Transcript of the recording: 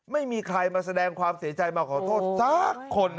ไม่มีใครมาแสดงความเสียใจมาขอโทษสักคน